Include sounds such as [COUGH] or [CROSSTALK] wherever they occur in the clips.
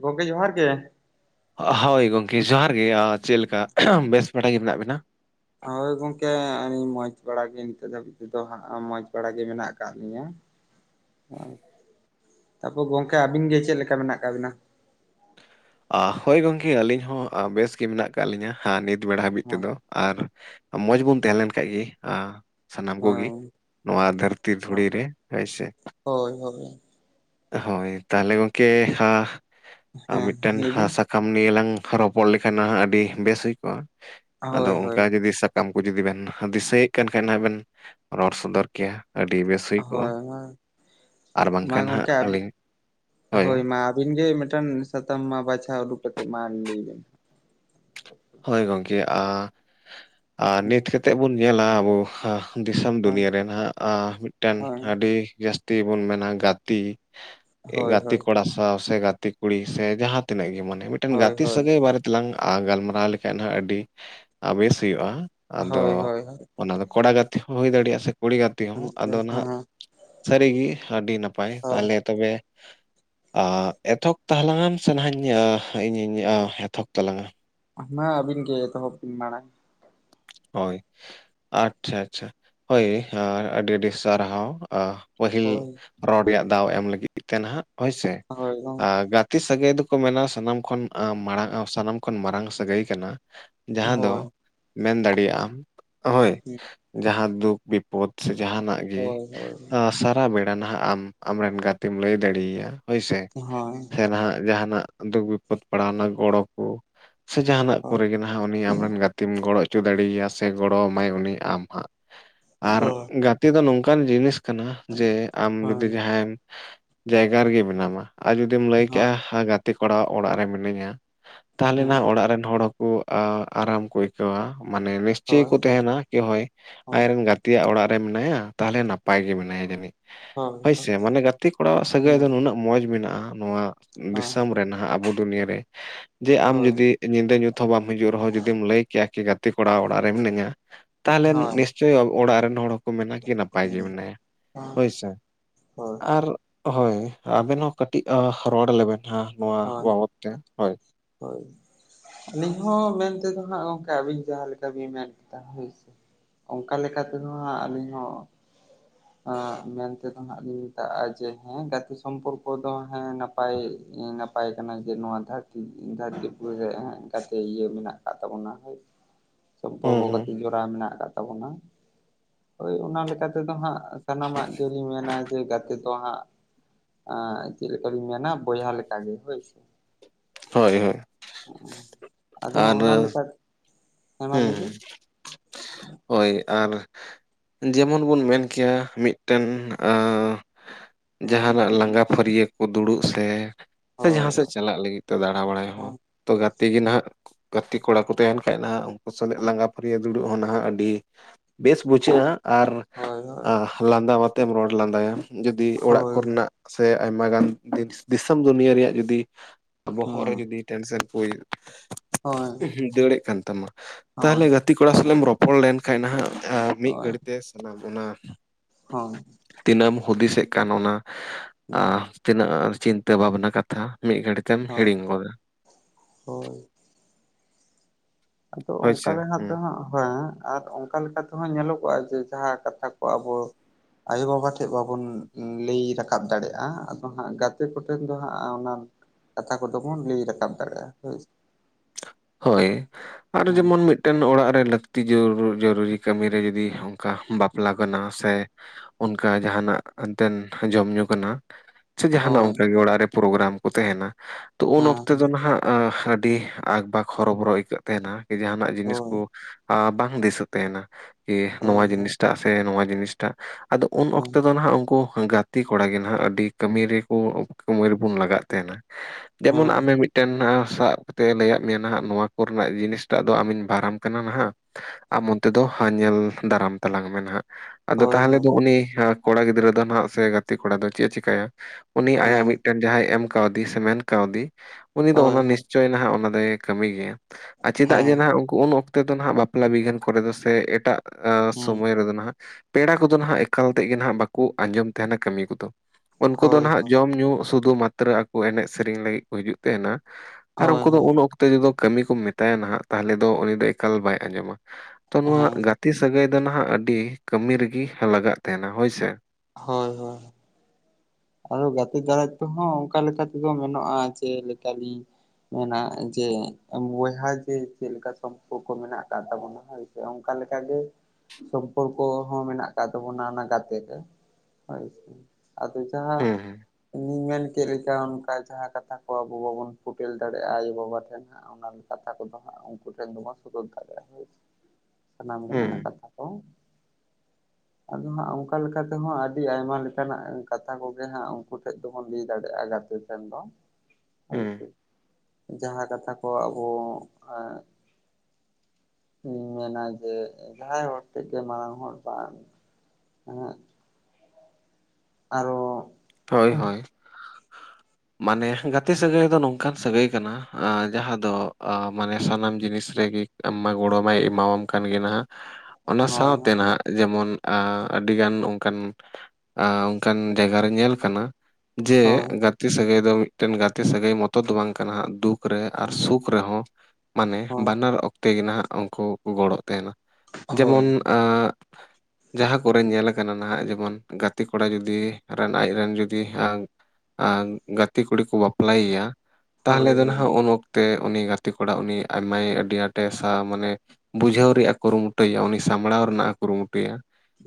ᱜᱚᱝᱠᱮ ᱡᱚᱦᱟᱨ ᱜᱮ ᱾ ᱦᱚᱭ ᱜᱚᱢᱠᱮ ᱡᱚᱦᱟᱨ ᱜᱮ ᱾ ᱪᱮᱫ ᱞᱮᱠᱟ ᱵᱮᱥ ᱵᱟᱲᱟ ᱜᱮ ᱢᱮᱱᱟᱜ ᱵᱮᱱᱟ? ᱦᱚᱭ ᱜᱚᱝᱠᱮ ᱟᱹᱞᱤᱧ ᱢᱚᱸᱡᱽ ᱵᱟᱲᱟ ᱜᱮ ᱱᱤᱛᱚᱜ ᱫᱷᱟᱹᱵᱤᱡ ᱛᱮᱫᱚ ᱦᱟᱸᱜ ᱢᱚᱸᱡᱽ ᱵᱟᱲᱟ ᱜᱮ ᱢᱮᱱᱟᱜ ᱟᱠᱟᱫ ᱞᱤᱧᱟ ᱾ ᱛᱟᱯᱚᱨ ᱜᱚᱝᱠᱮ ᱟᱵᱤᱱ ᱜᱮ ᱪᱮᱫ ᱞᱮᱠᱟ ᱢᱮᱱᱟᱜ ᱠᱟᱜ ᱵᱤᱱᱟ? ᱦᱚᱭ ᱜᱚᱝᱠᱮ ᱟᱹᱞᱤᱧ ᱦᱚᱸ ᱵᱮᱥ ᱜᱮ ᱢᱮᱱᱟᱜ ᱟᱠᱟᱫ ᱞᱤᱧᱟᱹ ᱦᱮ ᱱᱤᱛ ᱵᱮᱲᱟ ᱦᱟᱹᱵᱤᱡ ᱛᱮᱫᱚ ᱾ ᱟᱨ ᱢᱚᱡᱽ ᱵᱚᱱ ᱛᱟᱦᱮᱸ ᱞᱮᱱ ᱠᱷᱟᱡ ᱜᱮ ᱥᱟᱱᱟᱢ ᱠᱚᱜᱮ ᱦᱳᱭ ᱱᱚᱣᱟ ᱫᱷᱟᱹᱨᱛᱤ ᱦᱳᱭ ᱫᱷᱩᱲᱤ ᱨᱮ ᱦᱚᱭ ᱥᱮ ᱦᱳᱭ ᱦᱳᱭ ᱦᱚᱭ ᱛᱟᱦᱚᱞᱮ ᱜᱚᱝᱠᱮ ᱦᱟᱸ ᱦᱮᱸ ᱢᱤᱫᱴᱮᱱ ᱞᱟᱹᱭ ᱵᱤᱱ ᱥᱟᱠᱟᱢ ᱱᱤᱭᱮ ᱞᱟᱝ ᱨᱚᱯᱚᱲ ᱞᱮᱠᱷᱟᱱ ᱟᱹᱰᱤ ᱵᱮᱥ ᱦᱩᱭ ᱠᱚᱜᱼᱟ ᱾ ᱟᱫᱚ ᱦᱳᱭ ᱦᱳᱭ ᱚᱱᱠᱟ ᱡᱩᱫᱤ ᱥᱟ ᱥᱟᱠᱟᱢ ᱠᱚ ᱡᱩᱫᱤ ᱵᱮᱱ ᱫᱤᱥᱟᱹᱭᱮᱫ ᱠᱷᱟᱱ ᱵᱮᱱ ᱨᱚᱲ ᱥᱚᱫᱚᱨ ᱠᱮᱭᱟ ᱾ ᱟᱹᱰᱤ ᱵᱮᱥ ᱦᱩᱭ ᱠᱚᱜᱼᱟ ᱦᱳᱭ ᱾ ᱦᱳᱭ ᱢᱟ ᱜᱚᱝᱠᱮ ᱟᱹᱞᱤᱧ ᱦᱳᱭ ᱢᱟ ᱟᱹᱵᱤᱱ ᱜᱮ ᱢᱤᱫᱴᱟᱝ ᱥᱚᱛᱟᱢ ᱢᱟ ᱵᱟᱪᱷᱟᱣ ᱩᱰᱩᱠ ᱠᱟᱛᱮᱫ ᱢᱟ ᱞᱟᱹᱭ ᱵᱮᱱ? ᱦᱳᱭ ᱜᱚᱢᱠᱮ ᱟ ᱱᱤᱛ ᱠᱟᱛᱮᱫ ᱵᱩᱱ ᱧᱮᱞᱟ ᱟᱵᱚ ᱫᱤᱥᱚᱢ ᱦᱳᱭ ᱫᱩᱱᱤᱭᱟᱹ ᱨᱮᱱᱟᱜ ᱢᱤᱫᱴᱮᱱ ᱦᱳᱭ ᱟᱹᱰᱤ ᱡᱟᱹᱥᱛᱤ ᱵᱚᱱ ᱢᱮᱱᱟ ᱜᱟᱛᱤ ᱦᱳᱭ ᱜᱟᱛᱮ ᱦᱳᱭ ᱠᱚᱲᱟ ᱥᱟᱶ ᱥᱮ ᱜᱟᱛᱮ ᱠᱩᱲᱤ ᱥᱮ ᱡᱟᱦᱟᱸᱛᱤᱱᱟᱹᱜ ᱜᱮ ᱢᱟᱱᱮ ᱢᱤᱫᱴᱮᱱ ᱦᱳᱭ ᱜᱟᱛᱮ ᱦᱳᱭ ᱥᱟᱹᱜᱟᱹᱭ ᱵᱟᱨᱮᱛᱮ ᱛᱮᱞᱟᱝ ᱜᱟᱞᱢᱟᱨᱟᱣ ᱞᱮᱠᱷᱟᱱ ᱦᱟᱸᱜ ᱟᱹᱰᱤ ᱵᱮᱥ ᱦᱩᱭᱩᱜᱼᱟ, ᱟᱫᱚ ᱦᱳᱭ ᱦᱳᱭ ᱚᱱᱟ ᱫᱚ ᱠᱚᱲᱟ ᱜᱟᱛᱮ ᱦᱚᱸ ᱦᱩᱭ ᱫᱟᱲᱮᱭᱟᱜᱼᱟ ᱥᱮ ᱠᱩᱲᱤ ᱜᱟᱛᱮ ᱦᱚᱸ ᱦᱳᱭᱛᱚ ᱟᱫᱚ ᱱᱟᱦᱟᱜ ᱦᱮᱸ ᱥᱟᱹᱨᱤᱜᱮ ᱟᱹᱰᱤ ᱱᱟᱯᱟᱭ, ᱦᱳᱭ ᱛᱟᱦᱚᱞᱮ ᱛᱚᱵᱮ ᱮᱛᱷᱚᱠ ᱛᱞᱟᱝᱟᱢ ᱥᱮ ᱱᱟᱦᱟᱜ ᱤᱧᱤᱧ ᱮᱛᱷᱚᱠ ᱛᱟᱞᱟᱝᱟ? ᱦᱮᱸ ᱢᱟ ᱟᱹᱵᱤᱱ ᱜᱮ ᱮᱛᱚᱦᱚᱵ ᱵᱤᱱ ᱢᱟᱲᱟᱝ᱾ ᱦᱳᱭ ᱟᱪᱪᱷᱟ ᱟᱪᱪᱷᱟ ᱦᱳᱭ ᱟᱹᱰᱤ ᱟᱹᱰᱤ ᱥᱟᱨᱦᱟᱣ᱾ ᱯᱟᱹᱦᱤᱞ ᱦᱳᱭ ᱨᱚᱲ ᱨᱮᱭᱟᱜ ᱫᱟᱣ ᱮᱢ ᱞᱟᱹᱜᱤᱫ ᱛᱮ ᱱᱟᱦᱟᱜ ᱦᱳᱭᱥᱮ ᱦᱳᱭ ᱜᱚᱝᱠᱮ ᱜᱟᱛᱮ ᱡᱛᱤ ᱥᱟᱹᱜᱟᱹᱭ ᱫᱚᱠᱚ ᱢᱮᱱᱟ ᱥᱟᱱᱟᱢ ᱠᱷᱚᱱᱟᱝ ᱥᱟᱱᱟᱢ ᱠᱷᱚᱱ ᱢᱟᱨᱟᱝ ᱥᱟᱹᱜᱟᱹᱭ ᱠᱟᱱᱟ᱾ ᱡᱟᱦᱟᱸ ᱫᱚ ᱦᱳᱭ ᱢᱮᱱ ᱫᱟᱲᱮᱭᱟᱜ ᱟᱢ, ᱦᱳᱭ ᱡᱟᱦᱟᱸ ᱫᱩᱠ ᱵᱤᱯᱚᱫ ᱥᱮ ᱡᱟᱦᱱᱟ ᱜᱮ ᱦᱳᱭ ᱦᱳᱭ ᱥᱟᱨ ᱥᱟᱨᱟ ᱵᱮᱲᱟ ᱱᱟᱦᱟᱜ ᱟᱢ ᱟᱢᱨᱮᱱ ᱜᱟᱛᱮᱢ ᱞᱟᱹᱭ ᱫᱟᱲᱮᱭᱟᱭᱟ ᱦᱳᱭᱥᱮ ᱦᱳᱭ ᱥᱮ ᱱᱟᱦᱟᱜ ᱡᱟᱦᱟᱱᱟᱜ ᱫᱩᱠ ᱵᱤᱯᱚᱫ ᱯᱟᱲᱟᱣᱱᱟ ᱜᱚᱲᱚ ᱠᱚ ᱥᱮ ᱡᱟᱦᱟᱱᱟᱜ ᱠᱚᱨᱮ ᱜᱮ ᱱᱟᱦᱟᱜ ᱩᱱᱤ ᱟᱢᱨᱮᱱ ᱜᱟᱛᱮᱢ ᱜᱚᱲᱚ ᱪᱚ ᱪ ᱫᱟᱲᱮᱭᱟᱭ ᱥᱮ ᱜᱚᱲᱚ ᱟᱢᱟᱭ ᱩᱱᱤ ᱟᱢ ᱦᱟᱸᱜ ᱟᱨ ᱦᱳᱭ ᱜᱟᱛᱮ ᱫᱚ ᱱᱚᱝᱠᱟᱱ ᱡᱤᱱᱤᱥ ᱠᱟᱱᱟ ᱡᱮ ᱟᱢ ᱡᱩᱫᱤ ᱦᱳᱭ ᱡᱟᱦᱟᱸᱭᱮᱢ ᱡᱟᱭᱜᱟ ᱨᱮᱜᱮ ᱢᱮᱱᱟᱢᱟ ᱟᱨ ᱡᱩᱫᱤᱢ ᱞᱟᱹᱭ ᱠᱮᱜᱼᱟ ᱦᱳᱭ ᱦᱟ ᱜᱟᱛᱮ ᱜᱟᱛᱮ ᱠᱚᱲᱟᱣᱟᱜ ᱚᱲᱟᱜ ᱨᱮ ᱢᱤᱱᱟᱹᱧᱟ ᱛᱟᱦᱚᱞᱮ ᱱᱟ ᱦᱩᱸ ᱚᱲᱟᱜ ᱨᱮᱱ ᱦᱚᱲ ᱦᱚᱸᱠᱚ ᱟᱨᱟᱢ ᱠᱚ ᱟᱹᱭᱠᱟᱹᱣᱟ᱾ ᱢᱟᱱᱮ ᱱᱤᱥᱪᱚᱭ ᱦᱳᱭ ᱠᱚ ᱦᱳᱭ ᱛᱟᱦᱮᱸᱱᱟ ᱠᱤ ᱦᱩᱭ ᱟᱭ ᱦᱳᱭ ᱨᱮᱱ ᱜᱟᱛᱮ ᱜᱟᱛᱮᱭᱟᱜ ᱚᱲᱟᱜ ᱨᱮ ᱢᱮᱱᱟᱭᱟ ᱛᱟᱦᱚᱞᱮ ᱱᱟᱯᱟᱭ ᱜᱮ ᱢᱮᱱᱟᱭᱟ ᱡᱟᱹᱱᱤᱡ, ᱦᱳᱭ ᱦᱳᱭᱥᱮ ᱢᱟᱱᱮ ᱜᱟᱛᱮ ᱠᱚᱲᱟᱣᱟᱜ ᱥᱟᱹᱜᱟᱹᱭ ᱫᱚ ᱦᱩᱸ ᱱᱩᱱᱟᱹᱜ ᱢᱚᱸᱡᱽ ᱢᱮᱱᱟᱜᱼᱟ, ᱱᱚᱣᱟ ᱦᱳᱭ ᱫᱤᱥᱚᱢ ᱨᱮ ᱱᱟᱦᱟᱜ ᱟᱵᱚ ᱫᱩᱱᱤᱭᱟᱹ ᱨᱮ ᱟᱢ ᱦᱳᱭ ᱦᱳᱭ ᱡᱩᱫᱤ ᱧᱤᱫᱟᱹ ᱧᱩᱛ ᱦᱚᱸ ᱵᱟᱢ ᱦᱤᱡᱩᱜ ᱨᱮᱦᱚᱸ ᱡᱩᱫᱤᱢ ᱞᱟᱹᱭ ᱠᱮᱭᱟ ᱠᱤ ᱜᱟᱛᱮ ᱠᱚᱲᱟ ᱚᱲᱟᱜ ᱨᱮ ᱢᱤᱱᱟᱹᱧᱟ, ᱛᱟᱦᱚᱞᱮ ᱥᱮ ᱚᱲᱟᱜ ᱨᱮᱱ ᱦᱚᱲ ᱦᱚᱸᱠᱚ ᱢᱮᱱᱟ ᱠᱤ ᱱᱟᱯᱟᱭ ᱜᱮ ᱦᱩᱸ ᱢᱮᱱᱟᱭᱟ ᱦᱳᱭᱥᱮ, ᱦᱳᱭ ᱦᱳᱭ ᱟᱨ ᱦᱳᱭ ᱟᱵᱮᱱ ᱦᱚᱸ ᱠᱟᱹᱴᱤᱡ ᱨᱚᱲ ᱞᱮᱵᱮᱱ ᱦᱳᱜ ᱱᱚᱣᱟ ᱵᱟᱵᱚᱛ ᱛᱮ, ᱦᱳᱭ ᱦᱳᱭ ᱟᱹᱞᱤᱧ ᱦᱚᱸ ᱢᱮᱱᱛᱮᱫᱚ ᱦᱟᱸᱜ ᱜᱚᱝᱠᱮ ᱟᱹᱵᱤᱱ ᱡᱟᱦᱟᱸ ᱞᱮᱠᱟ ᱵᱤᱱ ᱢᱮᱱ ᱠᱮᱫᱟ ᱦᱳᱭ ᱥᱮ ᱚᱱᱠᱟ ᱞᱮᱠᱟ ᱞᱮᱠᱟ ᱛᱮᱦᱚᱸ ᱟᱹᱞᱤᱧ ᱦᱚᱸ ᱢᱮᱱᱛᱮᱫᱚ ᱦᱟᱸᱜ ᱞᱤᱧ ᱢᱮᱛᱟᱜᱼᱟ ᱡᱮ ᱦᱮᱸ ᱜᱟᱛᱮ ᱥᱚᱢᱯᱚᱨᱠᱚ ᱫᱚ ᱦᱮᱸ ᱱᱟᱯᱟᱭ ᱱᱟᱯᱟᱭ ᱱᱟᱯᱟᱭ ᱠᱟᱱᱟ ᱡᱮ ᱱᱚᱣᱟ ᱫᱷᱟᱹᱨᱛᱤ ᱫᱷᱟᱹᱨᱛᱤ ᱯᱩᱨᱤ ᱨᱮ ᱜᱟᱛᱮ ᱤᱭᱟᱹ ᱢᱮᱱᱟᱜ ᱠᱟᱜ ᱛᱟᱵᱚᱱᱟ ᱦᱳᱭ᱾ ᱦᱩᱸ ᱥᱚᱢᱯᱚᱨᱠᱚ ᱜᱟ ᱦᱩᱸ ᱠᱟᱛᱮᱜ ᱡᱚᱲᱟᱣ ᱢᱮᱱᱟᱜ ᱟᱠᱟᱫ ᱛᱟᱵᱚᱱᱟ ᱦᱳᱭ ᱚᱱᱟ ᱞᱮᱠᱟᱛᱮᱫᱚ ᱦᱟᱸᱜ ᱥᱟᱱᱟᱢᱟᱜ ᱜᱮᱞᱤᱧ ᱢᱮᱱᱟ ᱡᱮ ᱜᱟᱛᱮ ᱟᱫᱚ ᱦᱟᱸᱜ ᱪᱮᱫ ᱞᱮᱠᱟ ᱵᱤᱱ ᱢᱮᱱᱟ ᱵᱚᱭᱦᱟ ᱞᱮᱠᱟᱜᱮ ᱦᱳᱭ ᱥᱮ, ᱦᱳᱭ ᱦᱳᱭ ᱟᱫᱚ ᱚᱱᱟ ᱞᱮᱠᱟ ᱢᱟ ᱞᱟᱹᱭ ᱵᱤᱱ ᱦᱮᱸ ᱦᱳᱭ ᱟᱨ ᱡᱮᱢᱚᱱ ᱵᱚᱱ ᱢᱮᱱ ᱠᱮᱭᱟ ᱢᱤᱫᱴᱮᱱ ᱟᱻ ᱦᱳᱭ ᱡᱟᱦᱟᱱᱟᱜ ᱞᱟᱸᱜᱟ ᱯᱷᱟᱹᱨᱤᱭᱟᱹᱟᱹ ᱠᱚ ᱫᱩᱲᱩᱵ ᱥᱮ ᱥᱮ ᱦᱳᱭ ᱡᱟᱦᱟᱸ ᱥᱮᱫ ᱪᱟᱞᱟᱜ ᱞᱟᱹᱜᱤᱫ ᱛᱮ ᱫᱟᱬᱟ ᱵᱟᱲᱟᱭ ᱦᱚᱸ, ᱛᱚ ᱜᱟᱛᱮ ᱜᱮ ᱱᱟᱦᱟᱜ ᱜᱟᱛᱮ ᱠᱚᱲᱟ ᱠᱚ ᱛᱟᱦᱮᱱ ᱠᱷᱟᱡ ᱱᱟ ᱥᱟᱞᱮ ᱞᱟᱸᱜᱟ ᱯᱷᱟᱹᱨᱭᱟᱹ ᱫᱩᱲᱩᱵ ᱦᱚᱸ ᱱᱟᱦᱟᱜ ᱟᱹᱰᱤ ᱵᱮᱥ ᱵᱩᱡᱷᱟᱹᱜᱼᱟ ᱾ ᱟᱨ ᱦᱳᱭ ᱦᱳᱭ᱾ ᱞᱟᱸᱫᱟ ᱟᱛᱮᱢ ᱨᱚᱲ ᱞᱟᱸᱫᱟᱭᱟ ᱡᱩᱫᱤ ᱚᱲᱟᱜ ᱦᱳᱭ ᱠᱚᱨᱮᱱᱟᱜ ᱥᱮ ᱟᱭᱢᱟᱜᱟᱱ ᱫᱤᱥᱚᱢ ᱫᱩᱱᱤᱭᱟᱹ ᱨᱮᱭᱟᱜ ᱡᱩᱫᱤ ᱵᱚᱦᱚᱜ ᱦᱩᱸ ᱨᱮ ᱡᱩᱫᱤ ᱴᱮᱱᱥᱚᱱ ᱠᱚ [UNINTELLIGIBLE] ᱦᱳᱭ ᱫᱟᱹᱲᱮᱜ ᱠᱟᱱ ᱛᱟᱢᱟ, ᱦᱳᱭ ᱛᱟᱦᱚᱞᱮ ᱜᱟᱛᱮ ᱠᱚᱲᱟ ᱥᱟᱞᱟᱜ ᱮᱢ ᱨᱚᱯᱚᱲ ᱞᱮᱱᱠᱷᱟᱱᱡ ᱱᱟᱦᱜ ᱢᱤᱫ ᱜᱷᱟᱹᱲᱤᱛᱮ ᱥᱟᱱᱟ ᱵᱚᱱᱟ ᱾ ᱦᱚᱸᱼᱼ ᱛᱤᱱᱟᱹᱢ ᱦᱩᱫᱤᱥᱮᱫ ᱠᱟᱱ ᱚᱱᱟ ᱦᱩᱸ ᱟᱸᱻ ᱛᱤᱱᱟᱹᱜ ᱪᱤᱱᱛᱟᱹ ᱵᱷᱟᱵᱽᱱᱟ ᱠᱟᱛᱷᱟ! ᱢᱤᱫ ᱜᱷᱟᱹᱲᱤᱡᱼᱼ [UNINTELLIGIBLE] ᱦᱮᱸ ᱦᱳᱭ᱾ ᱟᱫᱚ ᱦᱳᱭ ᱚᱱᱠᱟ ᱥᱮ ᱜᱮ ᱦᱩᱸ [INAUDIBLE] ᱦᱮᱸ ᱟᱨ ᱚᱝᱼᱼ ᱚᱠᱟ ᱞᱮᱠᱟ ᱛᱮᱦᱚᱸ ᱧᱮᱞᱚᱜᱚᱜ-ᱟ ᱡᱮ ᱡᱟᱦᱟᱸ ᱠᱟᱛᱷᱟ ᱠᱚ ᱟᱵᱚᱼᱼ ᱟᱭᱳᱼᱵᱟᱵᱟ ᱴᱷᱮᱡ ᱵᱟᱵᱚᱱ ᱞᱟᱹᱭ ᱨᱟᱠᱟᱵ ᱫᱟᱲᱮᱭᱟᱜ-ᱟ ᱟᱫᱚ ᱦᱟᱸᱜ ᱜᱟᱛᱮ ᱠᱚᱴᱷᱮᱱ ᱫᱚ ᱦᱟᱸᱜ ᱚᱱᱟᱼᱼ ᱠᱟᱛᱷᱟ ᱠᱚᱫᱚᱵᱚᱱ ᱞᱟᱹᱭ ᱨᱟᱠᱟᱵ ᱫᱟᱲᱮᱭᱟᱜ-ᱟ᱾ᱦᱳᱭᱼᱼ ᱦᱳᱭ ᱟᱨᱚ ᱦᱮᱸ ᱡᱮᱢᱚᱱ ᱢᱤᱫᱼᱼ ᱢᱤᱫᱴᱮᱱ ᱚᱲᱟᱜ ᱨᱮ ᱞᱟᱹᱠᱛᱤ [INAUDIBLE] ᱡᱚᱨᱩᱨᱤ ᱠᱟᱹᱢᱤᱤᱨᱮ ᱡᱩᱫᱤ ᱚᱱᱠᱟ ᱵᱟᱯᱞᱟ ᱠᱟᱱᱟ ᱥᱮᱼᱼ ᱚᱱᱠᱟ ᱡᱟᱦᱟᱸᱱᱟᱜ ᱮᱱᱛᱮᱱ ᱡᱚᱢ ᱧᱩ ᱠᱟᱱᱟᱼᱼ ᱪᱮ ᱡᱟᱦᱟᱸᱱᱟᱜ ᱦᱳᱭ ᱚᱱᱠᱟᱜᱮ ᱚᱲᱟᱜ ᱨᱮ ᱯᱨᱳᱜᱨᱟᱢ ᱠᱚ ᱛᱟᱦᱮᱸᱱᱟ, ᱛᱚ ᱩᱱ ᱚᱠᱛᱮ ᱫᱚ ᱦᱮᱸ ᱱᱷᱟᱜᱼᱼ ᱟᱸ ᱟᱹᱰᱤ ᱟᱠ ᱵᱟᱠᱷ ᱦᱚᱨᱚᱵᱚᱨᱚ ᱟᱹᱭᱠᱟᱹᱜᱼᱼ ᱛᱟᱦᱮᱱᱟ ᱠᱤ ᱡᱟᱦᱱᱟᱜ ᱡᱤᱱᱤᱥ ᱠᱚ ᱦᱳᱭ ᱵᱟᱝ ᱫᱤᱥᱟᱹ ᱛᱟᱦᱮᱸᱱᱟ᱾ ᱠᱤ ᱱᱚᱣᱟ ᱡᱤᱱᱤᱥᱴᱟᱜ ᱥᱮ ᱱᱚᱣᱟ ᱡᱤᱱᱤᱥᱴᱟᱜ ᱟᱫᱚ ᱩᱱ ᱚᱠᱛᱮ ᱫᱚ ᱱᱷᱟᱜ ᱩᱱᱠᱩᱼᱼ ᱜᱟᱛᱮ ᱠᱚᱲᱟ ᱜᱮ ᱱᱷᱟᱜ ᱟᱹᱰᱤ ᱠᱟᱹᱢᱤ ᱨᱮᱠᱚ ᱠᱟᱹᱢᱟᱹᱭ ᱨᱮᱵᱚᱱ ᱞᱟᱜᱟᱜ ᱛᱟᱦᱮᱸᱱᱟ ᱡᱮᱢᱚᱱ ᱟᱢᱮᱼᱼ ᱢᱤᱫᱴᱮᱱ ᱥᱟᱵ ᱠᱟᱛᱮ ᱮ ᱞᱟᱹᱭᱟᱫ ᱢᱮᱭᱟ ᱱᱷᱟᱜ ᱱᱚᱣᱟ ᱠᱚᱨᱮᱱᱟᱜ ᱡᱤᱱᱤᱥᱴᱟᱜ ᱫᱚ ᱟᱢᱤᱧ ᱵᱟᱨᱟᱢ ᱠᱟᱱᱟ ᱱᱷᱟᱜ ᱼᱼ ᱟᱢ ᱚᱱᱛᱮᱫᱚ ᱧᱮᱞ ᱫᱟᱨᱟᱢ ᱛᱟᱞᱟᱝ ᱢᱮ ᱱᱷᱟᱜ᱾ ᱟᱫᱚ ᱦᱳᱭ ᱛᱟᱦᱚᱞᱮ ᱫᱚ ᱦᱳᱭ ᱩᱱᱤ ᱠᱚᱲᱟ ᱜᱤᱫᱽᱨᱟᱹ ᱫᱚ ᱱᱷᱟᱜ ᱥᱮ ᱜᱟᱛᱮ ᱠᱚᱲᱟ ᱫᱚ ᱪᱮᱫ ᱮ ᱪᱮᱠᱟᱭᱟ? ᱩᱱᱤ ᱟᱭᱟᱜ ᱦᱮᱸ ᱢᱤᱫᱴᱮᱱ ᱡᱟᱦᱟᱸᱭ ᱮᱢ ᱠᱟᱣᱫᱮ ᱥᱮ ᱢᱮᱱ ᱠᱟᱣᱫᱤ ᱩᱱᱤ ᱫᱚ ᱦᱳᱭ ᱚᱱᱟ ᱦᱳᱭ ᱱᱤᱥᱼᱼ ᱪᱚᱭᱮᱱᱟ ᱦᱟᱸᱜ ᱚᱱᱟ ᱫᱚᱭ ᱠᱟᱹᱢᱤ ᱜᱮᱭᱟ ᱟᱨ ᱪᱮᱫᱟᱜ ᱡᱮ ᱦᱮᱸ ᱱᱷᱟᱜ ᱤᱱᱠᱩ ᱩᱱ ᱩᱠᱛᱼᱼ ᱛᱮᱫᱚ ᱱᱷᱟᱜ ᱵᱟᱯᱞᱟ ᱵᱤᱜᱽᱜᱟᱱ ᱠᱚᱨᱮ ᱫᱚ ᱥᱮ ᱮᱴᱟᱜ ᱥᱚᱢᱚᱭ ᱨᱮᱫᱚ ᱱᱷᱟᱜᱼᱼ ᱯᱮᱲᱟ ᱠᱚᱫᱚ ᱦᱟᱸᱜ ᱮᱠᱟᱞ ᱛᱮᱜ ᱜᱮ ᱱᱷᱟᱜ ᱵᱟᱠᱚ ᱟᱸᱡᱚᱢ ᱛᱟᱦᱮᱸᱱᱟ ᱠᱟᱹᱢᱤ ᱠᱚᱫᱚ᱾ ᱩᱱᱠᱩ ᱫᱚ ᱦᱳᱭ ᱱᱷᱟᱜ ᱦᱳᱭ ᱡᱚᱢ ᱧᱩ ᱥᱩᱫᱷᱩ ᱢᱟᱛᱨᱚ ᱟᱠᱚ ᱮᱱᱮᱡ ᱥᱮᱨᱮᱧ ᱞᱟᱹᱜᱤᱫᱼᱼ ᱠᱚ ᱦᱩᱡᱩᱜ ᱛᱟᱦᱮᱸᱱᱟ ᱦᱮᱸ ᱦᱮᱸ ᱦᱳᱭ ᱦᱳᱭ ᱟᱨ ᱦᱳᱭ ᱩᱱᱠᱩ ᱫᱚ ᱦᱳᱭ ᱩᱱ ᱚᱠᱼᱼ ᱚᱠᱛᱚ ᱡᱚᱛᱚ ᱠᱟᱹᱢᱤ ᱠᱚ ᱢᱮᱛᱟᱭᱟ ᱱᱷᱟᱜ ᱛᱟᱦᱚᱞᱮ ᱫᱚ ᱩᱱᱤ ᱫᱚ ᱮᱠᱟᱞ ᱵᱟᱭ ᱟᱸᱡᱚᱢᱟ᱾ ᱛᱚ ᱱᱚᱣᱟ ᱦᱮᱸ ᱜᱟᱛᱮᱼᱼ ᱛᱤ ᱥᱟᱹᱜᱟᱹᱭ ᱫᱚ ᱱᱷᱟᱜ ᱟᱹᱰᱤ ᱠᱟᱹᱢᱤ ᱨᱤᱜᱤ ᱞᱟᱜᱟᱜ ᱛᱟᱦᱮᱸᱱᱟ ᱦᱳᱭ ᱥᱮ᱾ ᱦᱚᱭ ᱦᱚᱭ ᱟᱫᱚ ᱜᱟᱛᱮ ᱛᱟᱞᱟ ᱛᱮᱦᱚᱸ ᱚᱱᱠᱟ ᱞᱮᱠᱟ ᱛᱮᱫᱚ ᱢᱮᱱᱟᱜ-ᱟ, ᱡᱮ ᱞᱮᱠᱟ ᱞᱤᱧᱼᱼ ᱢᱮᱱᱟ ᱡᱮ ᱚ ᱵᱚᱭᱦᱟ ᱡᱮ ᱪᱮᱫᱠᱟ ᱥᱚᱢᱯᱚᱨᱠᱚ ᱢᱮᱱᱟᱜ ᱟᱠᱟᱫ ᱛᱟᱵᱚᱱᱟ? ᱦᱚᱭᱼᱼ ᱥᱮ ᱚᱱᱠᱟ ᱞᱮᱠᱟᱜᱮ ᱥᱚᱢᱯᱚᱨᱠᱚ ᱦᱚᱸ ᱢᱮᱱᱟᱜ ᱟᱠᱟᱫ ᱛᱟᱵᱚᱱᱟ ᱚᱱᱟ ᱜᱟᱛᱮ ᱜᱮ, ᱦᱳᱭ ᱥᱮ ᱟᱫᱚ ᱡᱟᱦᱟᱸ ᱦᱩᱸ ᱦᱩᱸ ᱤᱧᱤᱧ ᱧᱮᱞᱼᱼ ᱪᱮᱫ ᱞᱮᱠᱟ ᱚᱱᱠᱟ ᱡᱟᱦᱟᱸ ᱠᱟᱛᱷᱟ ᱠᱚ ᱟᱵᱚ ᱵᱟᱵᱚᱱ ᱯᱷᱚᱴᱮᱞ ᱫᱟᱲᱮᱭᱟᱜ-ᱟ ᱟᱭᱳᱼᱵᱟᱵᱟ ᱴᱷᱮᱱ ᱦᱟᱸᱜᱼᱼ ᱚᱱᱟᱱ ᱠᱟᱛᱷᱟ ᱠᱚᱫᱚ ᱦᱟᱸᱜ ᱩᱱᱠᱩ ᱴᱷᱮᱱ ᱫᱚ ᱵᱚᱱ ᱥᱚᱫᱚᱨ ᱫᱟᱲᱮᱭᱟᱜ-ᱟ, ᱦᱮᱸ ᱥᱮᱼᱼ ᱥᱟᱱᱟᱢ ᱞᱮᱠᱟᱱᱟᱜ ᱦᱩᱸ ᱠᱟᱛᱷᱟ ᱠᱚᱼᱼ ᱟᱫᱚ ᱦᱟᱸᱜ ᱚᱱᱠᱟ ᱞᱮᱠᱟ ᱛᱮᱦᱚᱸ ᱟᱹᱰᱤ ᱟᱭᱢᱟ ᱞᱮᱠᱟᱱᱟᱜᱼᱼ ᱠᱟᱛᱷᱟ ᱠᱚᱜᱮ ᱦᱟᱸᱜ ᱩᱱᱠᱩ ᱴᱷᱮᱡ ᱫᱚᱵᱚᱱ ᱞᱟᱹᱭ ᱫᱟᱲᱮᱭᱟᱜ-ᱟ ᱜᱟᱛᱮ ᱴᱷᱮᱱ ᱫᱚ, ᱦᱩᱸ ᱦᱳᱭᱥᱮ ᱡᱟᱦᱟᱸ ᱠᱟᱛᱷᱟ ᱠᱚ ᱟᱵᱚ ᱮᱸ ᱤᱧ ᱢᱮᱱᱟ ᱡᱮ ᱡᱟᱦᱟᱸᱭ ᱦᱚᱲ ᱛᱷᱮᱡᱜᱮ ᱢᱟᱨᱟᱝ ᱦᱚᱲ ᱵᱟᱝ, ᱮᱸᱦᱮᱜᱼᱼ ᱟᱨᱚᱼᱼ ᱦᱳᱭᱼᱦᱳᱭ [INAUDIBLE] ᱢᱟᱱᱮ ᱜᱟᱛᱮ ᱥᱟᱹᱜᱟᱹᱭ ᱫᱚ ᱱᱚᱝᱠᱟᱱ ᱥᱟᱹᱜᱟᱹᱭ ᱠᱟᱱᱟ ᱡᱟᱦᱟᱸ ᱫᱚ ᱢᱟᱱᱮ ᱥᱟᱱᱟᱢ ᱡᱤᱱᱤᱥ ᱨᱮᱜᱮᱼᱼ ᱟᱢ ᱢᱟ ᱜᱚᱲᱚ ᱢᱟᱭ ᱮᱢᱟᱣᱟᱢ ᱠᱟᱱ ᱜᱮ ᱱᱷᱟᱼᱼ [UNINTELLIGIBLE] ᱚᱱᱟ ᱥᱟᱸᱣᱛᱮ ᱱᱷᱟᱜ ᱡᱮᱢᱚᱱᱼᱼ ᱟᱸ ᱟᱹᱰᱤᱜᱟᱱ ᱚᱱᱠᱟᱱ ᱟᱸ ᱚᱱᱠᱟᱱ ᱡᱟᱭᱜᱟ ᱨᱮ ᱧᱮᱞ ᱠᱟᱱᱟ, ᱡᱮ ᱦᱳᱭ ᱜᱟᱛᱮ ᱥᱟᱹᱜᱟᱹᱭ ᱫᱚ ᱢᱤᱫᱴᱮᱱ ᱜᱟᱛᱮ ᱥᱟᱹᱜᱟᱹᱭ ᱢᱚᱛᱚ ᱫᱚ ᱵᱟᱝ ᱠᱟᱱᱟ, ᱫᱩᱠᱼᱼ ᱨᱮ ᱟᱨ ᱦᱳᱭ ᱥᱩᱠ ᱨᱮᱦᱚᱸ ᱢᱟᱱᱮ ᱦᱳᱭ ᱵᱟᱱᱟᱨ ᱚᱠᱛᱮ ᱜᱮ ᱱᱷᱟᱜ ᱩᱱᱠᱩ ᱠᱚ ᱜᱚᱲᱚᱜ ᱛᱟᱦᱮᱸᱱᱟ᱾ ᱦᱳᱭ ᱡᱮᱢᱚᱱ ᱟᱸ ᱻ ᱡᱟᱦᱟᱸ ᱠᱚᱨᱮ ᱧᱮᱞᱟᱠᱟᱱᱟ ᱱᱟᱦᱟᱜ ᱡᱮᱢᱚᱱ ᱜᱟᱛᱮ ᱠᱚᱲᱟ ᱡᱩᱫᱤ ᱨᱟᱱ ᱟᱭ ᱨᱮᱱ ᱡᱩᱫᱤ ᱦᱟᱸᱜ ᱜᱟᱛᱮ ᱠᱩᱲᱤ ᱠᱚ ᱵᱟᱯᱞᱟᱭᱮᱭᱟ ᱛᱟᱦᱚᱞᱮ ᱫᱚ ᱱᱟᱦᱟᱜ ᱦᱳᱭ ᱩᱱ ᱚᱠᱛᱚ ᱛᱮ ᱩᱱᱤ ᱜᱟᱛᱮ ᱠᱚᱲᱟ ᱩᱱᱤ ᱟᱭᱢᱟᱭ ᱟᱹᱰᱤ ᱟᱸᱴ ᱮ ᱥᱟ ᱢᱟᱱᱮ ᱵᱩᱡᱷᱟᱹᱣ ᱨᱮᱭᱟᱜ ᱠᱩᱨᱩ ᱢᱩᱴᱩᱭᱟ ᱩᱱᱤ ᱥᱟᱢᱵᱽᱲᱟᱣ ᱨᱮᱱᱟᱜ ᱠᱩᱨᱩᱢᱩᱴᱩᱭᱟ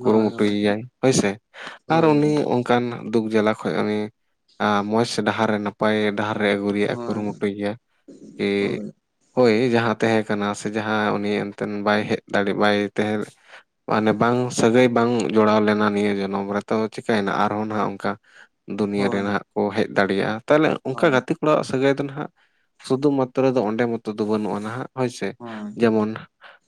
ᱠᱩᱨᱩ ᱦᱳᱭ ᱢᱩᱴᱩᱭᱮᱟᱭ ᱦᱳᱭ ᱥᱮ ᱦᱳᱭ ᱟᱨ ᱩᱱᱤ ᱦᱳᱭ ᱚᱱᱠᱟᱱᱟᱜ ᱫᱩᱠ ᱡᱟᱞᱟ ᱠᱷᱚᱱ ᱩᱱᱤ ᱢᱚᱸᱡᱽ ᱥᱮ ᱰᱟᱦᱟᱨ ᱮ ᱱᱟᱯᱟᱭ ᱱᱟᱯᱟᱭ ᱰᱟᱦᱟᱨ ᱨᱮ ᱟᱹᱜᱩ ᱨᱮᱭᱟᱜ ᱮ ᱠᱩᱨᱩ ᱦᱳᱭ ᱢᱩᱴᱩᱭ ᱜᱮᱭᱟ ᱦᱳᱭ ᱦᱳᱭ ᱦᱳᱭ ᱡᱟᱦᱟᱸ ᱛᱟᱦᱮ ᱠᱟᱱᱟ ᱥᱮ ᱡᱟᱦᱟᱸ ᱩᱱᱤ ᱮᱱᱛᱮᱫ ᱵᱟᱭ ᱦᱮᱡ ᱫᱟᱲᱮᱜ ᱵᱟᱭ ᱛᱟᱦᱮ ᱢᱟᱱᱮ ᱵᱟᱝ ᱥᱟᱹᱜᱟᱹᱭ ᱵᱟᱝ ᱡᱚᱲᱟᱣ ᱞᱮᱱᱟ᱾ ᱱᱤᱭᱟᱹ ᱡᱚᱱᱚᱢ ᱨᱮ ᱛᱚ ᱪᱤᱠᱟᱹᱭ ᱱᱟ ᱟᱨᱦᱚᱸ ᱱᱟᱦᱟᱜ ᱫᱩᱱᱭᱟᱹ ᱦᱳᱭ ᱨᱮᱱᱟᱜ ᱠᱚ ᱦᱮᱡ ᱫᱟᱲᱮᱭᱟᱜ-ᱟ᱾ ᱛᱟᱦᱚᱞᱮ ᱚᱱᱠᱟ ᱜᱟᱛᱮ ᱠᱚ ᱚᱲᱟᱜ ᱥᱟᱹᱜᱟᱹᱭ ᱫᱚ ᱱᱟᱦᱟᱜ ᱥᱩᱫᱷᱩ ᱢᱟᱛᱨᱚ ᱫᱚ ᱚᱸᱰᱮ ᱢᱚᱛᱚ ᱫᱚ ᱵᱟᱹᱱᱩᱜ-ᱟ᱾ ᱱᱟᱦᱟᱜ ᱦᱳᱭ ᱥᱮ ᱦᱳᱭ ᱡᱮᱢᱚᱱ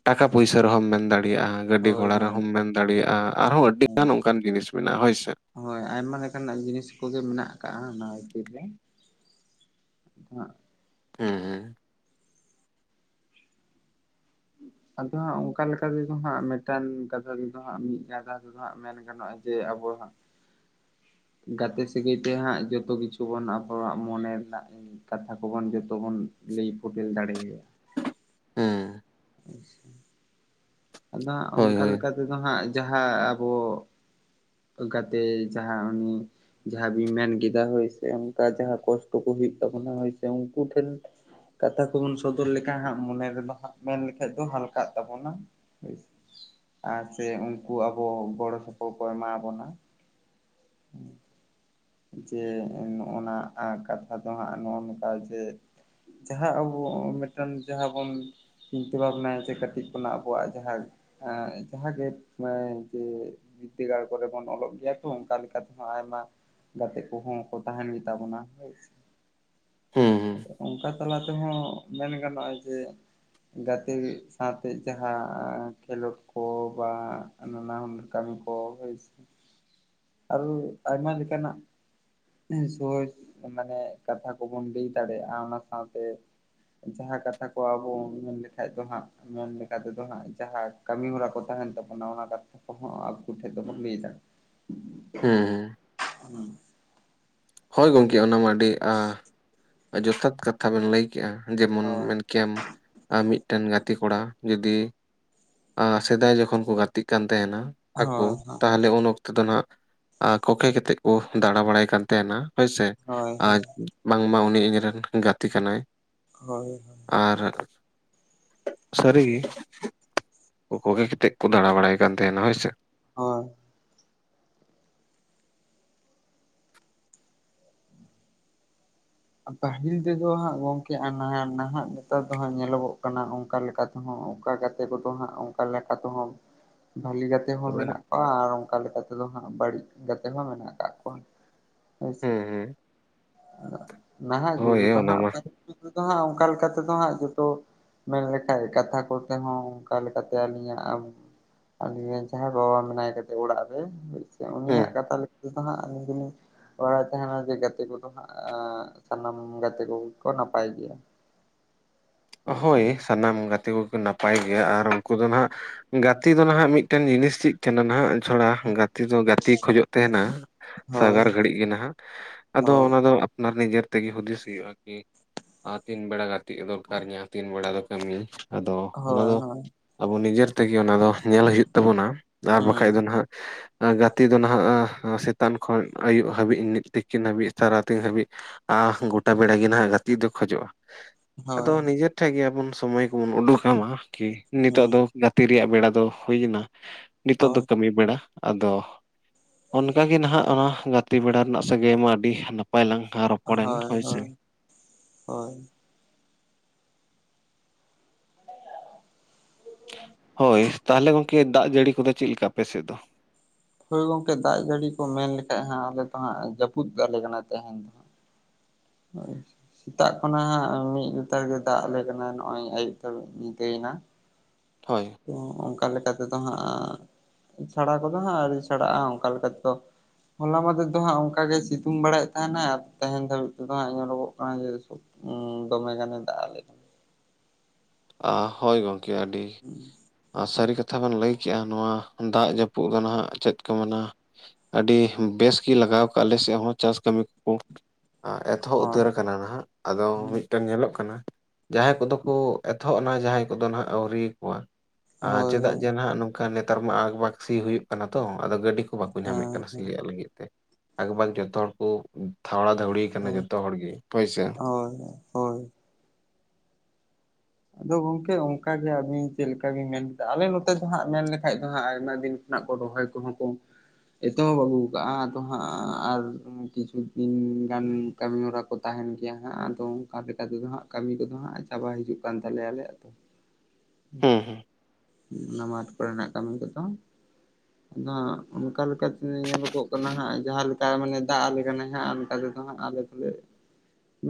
ᱴᱟᱠᱟ ᱯᱩᱭᱥᱟᱹ ᱨᱮᱦᱚᱢ ᱢᱮᱱ ᱫᱟᱲᱮᱭᱟᱜ-ᱟ᱾ ᱜᱟᱹᱰᱤ ᱜᱷᱚᱲᱟ ᱨᱮᱦᱚᱢ ᱦᱳᱭ ᱢᱮᱱ ᱫᱟᱲᱮᱭᱟᱜ-ᱟ᱾ ᱟᱨᱦᱚᱸ ᱟᱹᱰᱤ ᱡᱟᱦ ᱱᱚᱝᱠᱟᱱ ᱡᱤᱱᱤᱥ ᱢᱮᱱᱟᱜ-ᱟ᱾ ᱦᱳᱭ ᱥᱮ ᱦᱳᱭ ᱟᱭᱢᱟ ᱞᱮᱠᱟᱱᱟᱜ ᱡᱤᱱᱤᱥ ᱠᱚᱜᱮ ᱢᱮᱱᱟᱜ ᱟᱠᱟᱜ-ᱟ᱾ ᱚᱱᱟ ᱵᱷᱤᱛᱤᱨ ᱨᱮ ᱦᱟᱸᱜ ᱦᱮ ᱦᱮ ᱟᱫᱚ ᱦᱟᱸᱜ ᱚᱱᱠᱟ ᱞᱮᱠᱟ ᱛᱮᱫᱚ ᱦᱟᱸᱜ ᱢᱤᱫᱴᱟᱝ ᱠᱟᱛᱷᱟ ᱛᱮᱫᱚ ᱦᱟᱸᱜ ᱢᱤᱫ ᱠᱟᱛᱷᱟ ᱛᱮᱫᱚ ᱦᱟᱸᱜ ᱢᱮᱱ ᱜᱟᱱᱚᱜ-ᱟ᱾ ᱡᱮ ᱟᱵᱚ ᱦᱟᱸᱜ ᱜᱟᱛᱮ ᱥᱟᱹᱜᱟᱹᱭ ᱛᱮ ᱦᱟᱸᱜ ᱡᱚᱛᱚ ᱠᱤᱪᱷᱩ ᱵᱚᱱ ᱟᱵᱚᱣᱟᱜ ᱢᱚᱱᱮ ᱨᱮᱱᱟᱜ ᱠᱟᱛᱷᱟ ᱠᱚᱵᱚᱱ ᱡᱚᱛᱚ ᱵᱚᱱ ᱞᱟᱹᱭ ᱯᱷᱚᱴᱮᱞ ᱫᱟᱲᱮᱭᱟ ᱦᱮ ᱟᱪᱪᱷᱟ ᱟᱫᱚ ᱦᱟᱸᱜ ᱦᱳᱭ ᱚᱱᱠᱟ ᱦᱳᱭ ᱞᱮᱠᱟ ᱛᱮᱫᱚ ᱦᱟᱸᱜ ᱡᱟᱦᱟᱸ ᱟᱵᱚ ᱜᱟᱛᱮ ᱡᱟᱦᱟᱸ ᱩᱱᱤ ᱡᱟᱦᱟ ᱵᱤᱱ ᱢᱮᱱ ᱠᱮᱫᱟ ᱦᱳᱭ ᱥᱮ ᱚᱱᱠᱟ ᱡᱟᱦᱟ ᱠᱚᱥᱴᱚ ᱠᱚ ᱦᱩᱭᱩᱜ ᱛᱟᱵᱚᱱᱟ ᱦᱳᱭ ᱥᱮ ᱩᱱᱠᱩ ᱴᱷᱮᱱ ᱠᱟᱛᱷᱟ ᱠᱚᱵᱚᱱ ᱥᱚᱫᱚᱨ ᱞᱮᱠᱷᱟᱱ ᱦᱟᱸᱜ ᱢᱚᱱᱮ ᱨᱮᱫᱚ ᱦᱟᱸᱜ ᱢᱮᱱ ᱞᱮᱠᱷᱟᱡ ᱫᱚ ᱦᱟᱞᱠᱟᱜ ᱛᱟᱵᱚᱱᱟ ᱟᱨ ᱥᱮ ᱩᱱᱠᱩ ᱟᱵᱚ ᱜᱚᱲᱚ ᱥᱚᱯᱚᱦᱚᱫ ᱠᱚ ᱮᱢᱟ ᱵᱚᱱᱟ ᱡᱮ ᱱᱚᱜ-ᱚ ᱱᱟ ᱠᱟᱛᱷᱟ ᱫᱚ ᱦᱟᱸᱜ ᱱᱚᱜ-ᱚ ᱱᱚᱝᱠᱟ ᱡᱮ ᱡᱟᱦᱟ ᱟᱵᱚ ᱢᱤᱫᱴᱟᱝ ᱡᱟᱦᱟ ᱵᱚᱱ ᱪᱤᱱᱛᱟᱹ ᱵᱷᱟᱵᱽᱱᱟᱭ ᱪᱮᱫ ᱠᱷᱟᱹᱛᱤᱨ ᱠᱷᱚᱱᱟᱜ ᱟᱵᱚᱣᱟᱜ ᱡᱟᱦᱟ ᱡᱟᱦᱟ ᱜᱮ ᱡᱮ ᱵᱤᱫᱽᱫᱟᱹᱜᱟᱲ ᱠᱚᱨᱮ ᱵᱚᱱ ᱚᱞᱚᱜ ᱜᱮᱭᱟ ᱛᱚ ᱚᱱᱠᱟ ᱞᱮᱠᱟᱛᱮ ᱫᱚ ᱦᱟᱸᱜ ᱟᱭᱢᱟ ᱜᱟᱛᱮ ᱠᱚᱦᱚᱸ ᱠᱚ ᱛᱟᱦᱮᱱ ᱜᱮᱛᱟ ᱵᱚᱱᱟ ᱦᱳᱭ ᱥᱮ ᱦᱩᱸ ᱦᱩᱸ ᱚᱱᱠᱟ ᱚᱱᱟ ᱛᱮᱦᱚᱸ ᱢᱮᱱ ᱜᱟᱱᱚᱜ-ᱟ ᱡᱮ ᱜᱟᱛᱮ ᱥᱟᱶᱛᱮ ᱡᱟᱦᱟ ᱠᱷᱮᱞᱳᱰ ᱠᱚ ᱵᱟ ᱱᱟᱱᱟ ᱦᱩᱱᱟᱹᱨ ᱠᱟᱹᱢᱤ ᱠᱚ ᱦᱳᱭ ᱥᱮ ᱟᱨ ᱟᱭᱢᱟ ᱞᱮᱠᱟᱱᱟᱜ ᱦᱮ ᱥᱮ ᱦᱳᱭ ᱢᱟᱱᱮ ᱠᱟᱛᱷᱟ ᱠᱚᱵᱚᱱ ᱞᱟᱹᱭ ᱫᱟᱲᱮᱭᱟᱜ-ᱟ᱾ ᱚᱱᱟ ᱥᱟᱶᱛᱮ ᱡᱟᱦᱟ ᱠᱟᱛᱷᱟ ᱠᱚ ᱟᱵᱚ ᱢᱮᱱ ᱞᱮᱠᱷᱟᱡ ᱫᱚ ᱦᱟᱸᱜ ᱢᱮᱱ ᱞᱮᱠᱟ ᱛᱮᱫᱚ ᱦᱟᱸᱜ ᱡᱟᱦᱟᱸ ᱠᱟᱹᱢᱤ ᱦᱚᱨᱟ ᱠᱚ ᱛᱟᱦᱮᱱ ᱛᱟᱵᱚᱱᱟ ᱚᱱᱟ ᱠᱚ ᱦᱚ ᱟᱠᱚᱴᱷᱮᱡ ᱫᱚᱵᱚᱱ ᱞᱟᱹᱭ ᱦᱩᱸ ᱦᱩᱸ ᱫᱟᱲᱮᱭᱟᱜ-ᱟ ᱦᱳᱭ ᱜᱚᱢᱠᱮ ᱚᱱᱟ ᱢᱟ ᱟᱹᱰᱤ ᱟ ᱡᱚᱛᱷᱟᱛ ᱠᱟᱛᱷᱟ ᱵᱮᱱ ᱞᱟᱹᱭ ᱠᱮᱜ-ᱟ᱾ ᱡᱮᱢᱚᱱ ᱦᱳᱭ ᱢᱮᱱ ᱠᱮᱭᱟᱢ ᱟᱨ ᱢᱤᱫᱴᱟᱝ ᱜᱟᱛᱮ ᱠᱚᱲᱟ ᱡᱩᱫᱤ ᱟᱨ ᱥᱮᱫᱟᱭ ᱡᱚᱠᱷᱚᱱ ᱠᱚ ᱜᱟᱛᱮᱜ ᱠᱟᱱ ᱛᱟᱦᱮᱱᱟ ᱟᱠᱚ ᱦᱳᱭ ᱛᱟᱦᱚᱞᱮ ᱩᱱ ᱚᱠᱛᱚ ᱛᱮᱫᱚ ᱱᱟᱜ ᱠᱚᱠᱮ ᱠᱟᱛᱮᱫ ᱠᱚ ᱫᱟᱬᱟ ᱵᱟᱲᱟᱭ ᱠᱟᱱ ᱛᱟᱦᱮᱱᱟ ᱦᱳᱭ ᱥᱮ ᱦᱳᱭ ᱦᱳᱭ ᱟᱨ ᱵᱟᱝᱢᱟ ᱩᱱᱤ ᱤᱧ ᱨᱮᱱ ᱜᱟᱛᱮ ᱠᱟᱱᱟᱭ ᱦᱳᱭ ᱟᱨ ᱥᱟᱹᱨᱤ ᱜᱮ ᱠᱚᱠᱚᱜᱮᱛᱮᱫ ᱠᱚ ᱫᱟᱬᱟ ᱵᱟᱲᱟᱭ ᱠᱟᱱ ᱛᱟᱦᱮᱱᱟ ᱦᱳᱭ ᱥᱮ ᱦᱳᱭ ᱯᱟᱹᱦᱤᱞ ᱛᱮᱫᱚ ᱦᱟᱸᱜ ᱜᱚᱢᱠᱮ ᱟᱨ ᱱᱟᱦᱟᱜ ᱱᱮᱛᱟᱨ ᱫᱚ ᱦᱟᱸᱜ ᱧᱮᱞᱚᱜᱚᱜ ᱠᱟᱱᱟ ᱚᱱᱠᱟ ᱞᱮᱠᱟᱛᱮ ᱚᱠᱟ ᱜᱟᱛᱮ ᱠᱚᱫᱚ ᱦᱟᱸᱜ ᱚᱱᱠᱟ ᱞᱮᱠᱟ ᱛᱮᱦᱚᱸ ᱵᱷᱟᱞᱤ ᱠᱟᱛᱮ ᱦᱚᱸ, ᱛᱚᱵᱮᱱᱟ ᱢᱮᱱᱟᱜ ᱠᱚᱣᱟ ᱟᱨ ᱚᱱᱠᱟ ᱞᱮᱠᱟ ᱛᱮᱫᱚ ᱦᱟᱸᱜ, ᱵᱟᱹᱲᱤᱡ ᱜᱟᱛᱮ ᱦᱚᱸ ᱢᱮᱱᱟᱜ ᱟᱠᱟᱫᱼᱟ ᱠᱚᱣᱟ ᱾ [INAUDIBLE] ᱟᱪᱷᱟ, ᱦᱩᱸ ᱦᱩᱸ ᱱᱟᱦᱟᱜ ᱡᱩᱜ ᱦᱳᱭ ᱨᱮ ᱫᱚ ᱚᱱᱟ ᱦᱟᱸᱜ ᱢᱟ ᱨᱮ [UNINTELLIGIBLE] ᱫᱚ ᱦᱟᱸᱜ ᱚᱱᱠᱟ ᱞᱮᱠᱟ ᱛᱮᱫᱚ ᱦᱟᱸᱜ, ᱡᱚᱛᱚ ᱢᱮᱱ ᱞᱮᱠᱷᱟᱡ, ᱠᱟᱛᱷᱟ ᱠᱚᱛᱮ ᱦᱚᱸ ᱚᱱᱠᱟ ᱞᱮᱠᱟ ᱛᱮ ᱟᱹᱞᱤᱧᱟᱜ ᱟᱞᱤᱧᱤᱡ, ‌ ᱡᱟᱦᱟᱸᱭ ᱵᱟᱵᱟ ᱢᱮᱱᱟᱭ ᱠᱟᱫᱮ ᱚᱲᱟᱜ ᱨᱮ ᱾ ᱦᱩᱸ ᱩᱱᱤᱭᱟᱜ, ᱠᱟᱛᱷᱟ ᱞᱮᱠᱟ ᱛᱮᱫᱚ, ᱦᱟᱸᱜ ᱟᱹᱞᱤᱧ ᱫᱚᱞᱤᱧ ᱵᱟᱲᱟᱭ ᱛᱟᱦᱮᱱᱟ, ᱡᱮ ᱜᱟᱛᱮ ᱠᱚᱫᱚ ᱦᱟᱸᱜ? ᱥᱟᱱᱟᱢ ᱜᱟᱛᱮ ᱠᱚ ᱜᱮ ᱠᱚ, ᱱᱟᱯᱟᱭ ᱜᱮᱭᱟ ᱾ ᱦᱳᱭ! ᱥᱟᱱᱟᱢ ᱜᱟᱛᱮ ᱠᱚᱠᱚ, ᱱᱟᱯᱟᱭ ᱜᱮᱭᱟ ᱟᱨ ᱩᱱᱠᱩ ᱫᱚ, ᱱᱷᱟᱜ ᱜᱟᱛᱮ ᱫᱚ ᱱᱷᱟᱜ, ᱢᱤᱫᱴᱮᱱ ᱡᱤᱱᱤᱥ ᱪᱮᱫ ᱠᱟᱱᱟ? ᱱᱷᱟᱜ ᱾ ᱛᱷᱚᱲᱟ ᱜᱟᱛᱮ ᱫᱚ ᱜᱟᱛᱮᱭ, ᱠᱷᱚᱡᱚᱜ ᱛᱟᱦᱮᱱᱟ ᱾ ᱦᱳᱭ ᱥᱟᱜᱟᱨ ᱜᱷᱟᱹᱲᱤᱡ ᱜᱮ ᱱᱷᱟᱜ, ᱟᱫᱚ ᱦᱳᱭ ᱚᱱᱟ ᱫᱚ, ᱟᱯᱱᱟᱨ ᱱᱤᱡᱮᱨ ᱛᱮᱜᱮ ᱦᱩᱫᱤᱥ ᱦᱩᱭᱩᱜᱼᱟ ᱠᱤ, ᱛᱤᱱ ᱵᱮᱲᱟ ᱜᱟᱛᱮᱜ ᱫᱚᱨᱠᱟᱨ ᱡᱟᱦᱟᱸ ᱛᱤᱱ ᱵᱮᱲᱟ ᱫᱚ ᱠᱟᱹᱢᱤ ᱾ ᱟᱫᱚ ᱚᱱᱟ ᱦᱳᱭ ᱫᱚ, ᱦᱳᱭ ᱟᱵᱚ ᱱᱤᱡᱮᱨ ᱛᱮᱜᱮ, ᱚᱱᱟ ᱫᱚ, ᱧᱮᱞ ᱦᱩᱭᱩᱜ ᱛᱟᱵᱚᱱᱟ ᱾ ᱟᱨ ᱦᱩᱸ ᱵᱟᱠᱷᱟᱡ ᱫᱚ ᱱᱷᱟᱜ? ᱜᱟᱛᱮ ᱫᱚ ᱱᱷᱟᱜ, ᱥᱮᱛᱟᱱ ᱠᱷᱚᱱ ᱟᱹᱭᱩᱵ ᱦᱟᱹᱵᱤᱡ, ᱛᱤᱠᱤᱱ ᱦᱟᱹᱵᱤᱡ ᱛᱟᱨᱟ [UNINTELLIGIBLE] ᱛᱤᱱ ᱦᱟᱹᱵᱤᱡ ᱾ ᱟᱦ! ᱜᱚᱴᱟ ᱵᱮᱲᱟ ᱜᱮ ᱱᱷᱟᱜ ᱜᱟᱛᱮᱜ ᱫᱚ ᱠᱷᱚᱡᱚᱜᱼᱟ? ᱦᱳᱭ ᱟᱫᱚ, ᱱᱤᱡᱮᱨ ᱴᱷᱮᱱ ᱜᱮ, ᱟᱵᱚᱱ ᱥᱚᱢᱚᱭ ᱠᱚᱵᱚᱱ ᱩᱰᱩᱠᱢᱟ, ᱠᱤ ᱱᱤᱛᱚᱜ ᱦᱩᱸ ᱫᱚ ᱾ ᱛᱤ ᱨᱮᱭᱟᱜ ᱵᱮᱲᱟ ᱫᱚ ᱦᱩᱭ ᱮᱱᱟ, ᱱᱤᱛᱚᱜ ᱫᱚ ᱦᱳᱭ ᱠᱟᱹᱢᱤ ᱵᱮᱲᱟ ᱾ ᱟᱫᱚ, ᱚᱱᱠᱟᱜᱮ ᱱᱷᱟᱜ, ᱚᱱᱟ ᱜᱟᱛᱮ ᱵᱮᱲᱟ ᱨᱮᱱᱟᱜ, ᱥᱟᱹᱜᱟᱹᱭᱢᱟ ᱟᱹᱰᱤ ᱱᱟᱯ ᱯᱟᱭ, ᱞᱟᱝ ᱨᱚᱯᱚᱲ ᱦᱳᱭ ᱮᱱ ᱦᱳᱭ ᱦᱚᱭ ᱥᱮ ᱾ ᱦᱳᱭ ᱾ ᱟ [INAUDIBLE] ᱦᱳᱭ, ᱛᱟᱦᱚᱞᱮ ᱜᱚᱝᱠᱮ, ᱫᱟᱜ ᱡᱟᱹᱲᱤ ᱠᱚᱫᱚ ᱪᱮᱫ ᱞᱮᱠᱟ, ᱟᱯᱮ ᱥᱮᱫ ᱫᱚ? ᱦᱳᱭ ᱜᱚᱝᱠᱮ, ᱫᱟᱜ ᱡᱟᱹᱲᱤ ᱠᱚ ᱢᱮᱱ ᱞᱮᱠᱷᱟᱡ, ᱦᱟᱸᱜ ᱟᱞᱮ ᱫᱚ ᱦᱟᱸᱜ ᱡᱟᱹᱯᱩᱫ ᱟᱞᱮ ᱠᱟᱱᱟ ᱛᱟᱦᱮᱧ ᱫᱚ ᱦᱟᱸᱜ ᱾ ᱦᱳᱭ ᱾ ᱥᱮᱛᱟᱜ ᱠᱷᱚᱱᱟᱜ, ᱢᱤᱫ ᱞᱮᱛᱟᱲ ᱜᱮ ᱫᱟᱜ ᱟᱞᱮ ᱠᱟᱱᱟ, ᱱᱚᱜᱼᱚᱭ ᱟᱹᱭᱩᱵ ᱫᱷᱟᱵᱤᱡ, ᱧᱤᱫᱟᱹᱭᱮᱱᱟ ᱾ [INAUDIBLE] ᱦᱳᱭ ᱾ ᱳᱸᱻᱚᱱᱠᱟ ᱞᱮᱠᱟ ᱛᱮᱫᱚ ᱦᱟᱸᱜ, ᱥᱟᱲᱟ ᱠᱚᱫᱚ ᱦᱟᱸᱜ, ᱟ. ᱣᱨᱤ ᱥᱮᱬᱟᱜᱼᱟ ᱚᱱᱠᱟ ᱞᱮᱠᱟ ᱛᱮᱫᱚ ᱾ ᱦᱚᱞᱟ ᱢᱟᱫᱷᱮᱨ ᱫᱚ ᱦᱟᱸᱜ, ᱚᱱᱠᱟ ᱜᱮ ᱥᱤᱛᱩᱝ ᱵᱟᱲᱟᱭᱮᱫ ᱛᱟᱦᱮᱱᱟ, ᱟᱨ ᱛᱮᱦᱮᱧ ᱫᱷᱟᱹᱵᱤᱡ ᱫᱚ ᱦᱟᱸᱜ, ᱧᱮᱞᱚᱜᱚᱜ ᱠᱟᱱᱟ ᱡᱮ, ᱥᱚᱠ [UNINTELLIGIBLE] ᱫᱚᱢᱮ ᱜᱟᱱᱮ ᱫᱟᱜ ᱟᱞᱮ ᱠᱟᱱᱟ ᱾ ᱦᱳᱭ ᱜᱚᱢᱠᱮ, ᱟᱹᱰᱤ ᱦᱩᱸ ᱾ ᱥᱟᱹᱨᱤ ᱠᱟᱛᱷᱟ ᱵᱮᱱ ᱞᱟᱹᱭ ᱠᱮᱜᱼᱟ, ᱱᱚᱣᱟ ᱫᱟᱜ ᱡᱟᱹᱯᱩᱫ ᱫᱚ ᱱᱷᱟᱜ ᱪᱮᱫ ᱠᱚ ᱢᱮᱱᱟ? ᱟᱹᱰᱤ ᱵᱮᱥ ᱜᱮ, ᱞᱟᱜᱟᱣ ᱠᱟᱜᱼᱟ ᱾ ᱟᱞᱮ ᱥᱮᱫ ᱦᱚᱸ ᱪᱟᱥ ᱠᱟᱹᱢᱤ ᱠᱚ ᱾ ᱮᱛᱚᱦᱚᱵ ᱦᱳᱭ ᱩᱛᱟᱹᱨ ᱟᱠᱟᱱᱟ ᱱᱷᱟᱸᱜ, ᱟᱫᱚ ᱢᱤᱫᱴᱟᱝ, ᱧᱮᱞᱚᱜ ᱠᱟᱱᱟ ᱡᱟᱦᱟᱸᱭ ᱠᱚᱫᱚ ᱠᱚ, ᱱᱤᱛᱚᱜ ᱡᱟᱦᱟᱸᱭ ᱠᱚᱫᱚ ᱱᱷᱟᱜ ᱟᱹᱣᱨᱤᱭᱟᱠᱚᱣᱟ, ᱦᱳᱭ ᱪᱮᱫᱟᱜ ᱦᱳᱭ ᱡᱮ ᱱᱷᱟᱜ ᱱᱮᱛᱟᱨ ᱢᱟ, ᱟᱠ-ᱵᱟᱠ ᱥᱤ ᱦᱩᱭᱩᱜ ᱠᱟᱱᱟ, ᱛᱚ ᱾ ᱟᱫᱚ ᱜᱟᱹᱰᱤ ᱠᱚ, ᱵᱟᱠᱚ ᱧᱟᱢᱮᱫ ᱦᱮᱸ ᱠᱟᱱᱟ, ᱦᱮᱸ ᱥᱤᱭᱟᱜ ᱞᱟᱹᱜᱤᱫ ᱛᱮ ᱾ ᱟᱠ-ᱵᱟᱠ, ᱡᱚᱛᱚ ᱦᱚᱲ ᱠᱚ ᱫᱷᱟᱣᱲᱟ ᱫᱷᱟᱣᱲᱤ ᱟᱠᱟᱱᱟ, ᱦᱳᱭ ᱡᱚᱛᱚ ᱦᱚᱲ ᱜᱮ, ᱦᱳᱭᱥᱮ ᱾ ᱦᱳᱭ, ᱦᱳᱭ ᱾ ᱟᱫᱚ ᱜᱚᱝᱠᱮ, ᱚᱱᱠᱟᱜᱮ ᱟᱹᱵᱤᱱ ᱪᱮᱫ ᱞᱮᱠᱟ? ᱵᱤᱱ ᱢᱮᱱ ᱠᱮᱫᱟ, ᱟᱞᱮ ᱱᱚᱛᱮ ᱫᱚ ᱦᱟᱸᱦ, ᱢᱮᱱ ᱞᱮᱠᱷᱟᱡ ᱫᱚ ᱦᱟᱸᱦ, ᱟᱭᱢᱟ ᱫᱤᱱᱻᱻ [UNINTELLIGIBLE] ᱨᱚᱦᱚᱭ ᱠᱚᱦᱚᱸ ᱠᱚᱻᱻ ᱮᱛᱚᱦᱚᱵ ᱟᱹᱜᱩ ᱟᱠᱟᱼᱟ, ᱟᱫᱚ ᱦᱟᱸᱜ ᱟᱨ ᱠᱤᱪᱷᱩ ᱫᱤᱱ ᱜᱟᱱᱻᱻ ᱠᱟᱹᱢᱤ ᱦᱚᱨᱟ ᱠᱚ, ᱛᱟᱦᱮᱱ ᱜᱮᱭᱟ ᱦᱟᱸᱜ, ᱟᱫᱚ ᱚᱱᱠᱟ ᱞᱮᱠᱟᱛᱮᱫᱚ ᱦᱟᱸᱜ ᱠᱟᱹᱢᱤ ᱠᱚᱫᱚ ᱦᱟᱸᱜ, ᱪᱟᱵᱟ ᱦᱤᱡᱩᱜ ᱠᱟᱱᱟ ᱠᱟᱱ ᱛᱟᱞᱮᱭᱟ ᱫᱚ ᱦᱮᱸᱥᱮ, ᱦᱩᱸ ᱦᱩᱸ ᱚᱱᱟ ᱢᱟᱴᱷ ᱠᱚᱨᱮᱱᱟᱜ ᱠᱟᱹᱢᱤ ᱠᱚᱫᱚ ᱾ ᱫᱚ, ᱦᱟᱸᱜ ᱚᱱᱠᱟ ᱞᱮᱠᱟᱛᱮ, ᱧᱮᱞᱚᱜᱚᱜ ᱠᱟᱱᱟ ᱦᱟᱸᱜ, ᱡᱟᱦᱟᱸ ᱞᱮᱠᱟ, ᱢᱟᱱᱮ ᱫᱟᱜ ᱟᱞᱮ ᱠᱟᱱᱟᱭ ᱱᱷᱟᱜ, ᱚᱱᱠᱟᱻᱻ ᱫᱚ ᱦᱟᱸᱜ, ᱟᱞᱮ [INAUDIBLE] [UNINTELLIGIBLE] ᱢᱮᱱ